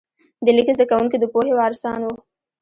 د لیک زده کوونکي د پوهې وارثان وو.